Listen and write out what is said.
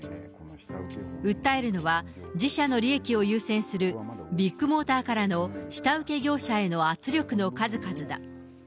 訴えるのは、自社の利益を優先する、ビッグモーターからの下請け業者への圧力の数々だ。